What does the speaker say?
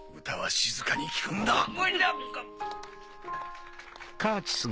歌は静かに聴くんだ！